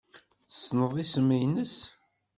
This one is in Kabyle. Tessneḍ isem-nnes?